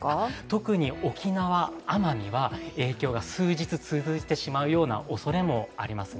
特に沖縄・甘味は影響が数日続いてしまうおそれもあります。